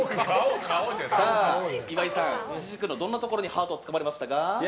ジジ君のどんなところにハートつかまれましたか？